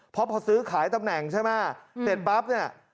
เพราะพอซื้อขายตำแหน่งใช่ไหมเสร็จปั๊บเนี่ย